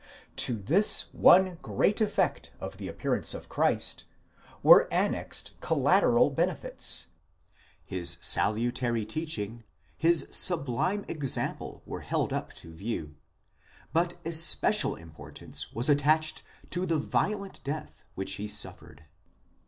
To this one great effect of the appearance of Christ, were annexed collaterak benefits: his salutary teaching, his sublime example, were held up to view,!® but especial importance was attached to the violent death which he suffered.